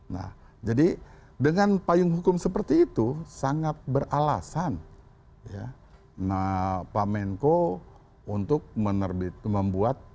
nah jadi dengan payung hukum seperti itu sangat beralasan pak menko untuk membuat